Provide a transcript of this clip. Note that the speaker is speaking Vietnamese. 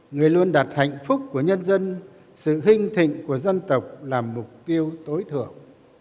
người luôn đạt hạnh phúc của nhân dân sự hinh thịnh của dân tộc là mục tiêu tối thưởng